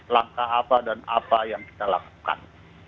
langkah apa dan apa yang kita lakukan